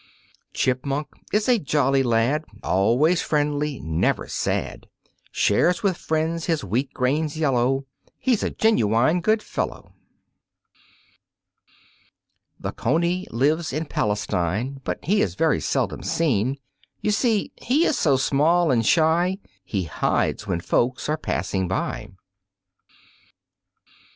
Chipmunk is a jolly lad, Always friendly never sad, Shares with friends his wheat grains yellow, He's a genuine good fellow. The coney lives in Palestine But he is very seldom seen. You see he is so small and shy He hides when folks are passing by.